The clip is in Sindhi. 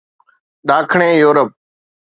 ڏاکڻي يورپ